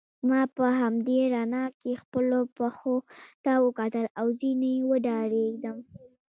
ما په همدې رڼا کې خپلو پښو ته وکتل او ځینې وډارېدم.